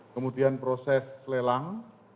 kemudian proses kelelang